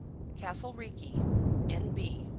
Castle Reekie, N.B.